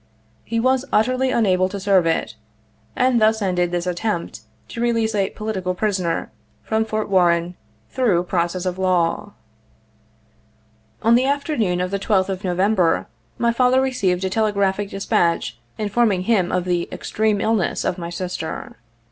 He was utterly unable to serve it ; and thus ended this attempt to release a "political prisoner" from Fort Warren through process of law. On the afternoon of the 12th of November, my father received a telegraphic despatch, informing him of the "ex treme illness" of my sister.